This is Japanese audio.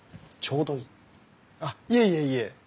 あっいえいえいえ。